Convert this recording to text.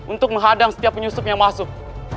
untuk menghadang setiap penyusup yang masuk